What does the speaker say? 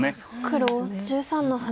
黒１３の八。